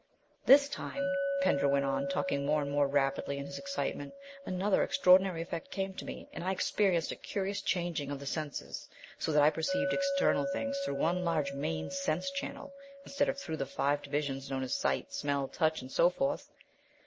"This time," Pender went on, talking more and more rapidly in his excitement, "another extraordinary effect came to me, and I experienced a curious changing of the senses, so that I perceived external things through one large main sense channel instead of through the five divisions known as sight, smell, touch, and so forth.